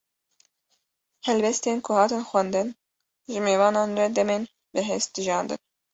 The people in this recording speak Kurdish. Helbestên ku hatin xwendin, ji mêvanan re demên bi hest jiyandin